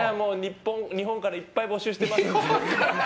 日本からいっぱい募集してますので。